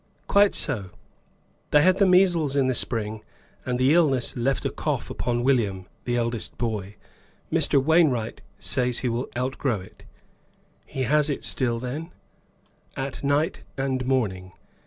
"Quite so. They had the measles in the spring, and the illness left a cough upon William, the eldest boy. Mr. Wainwright says he will outgrow it." "He has it still, then?" "At night and morning.